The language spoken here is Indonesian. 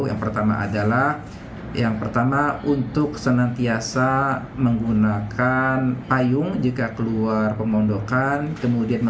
yang pertama adalah yang pertama untuk senantiasa menggunakan payung jika keluar pemondokan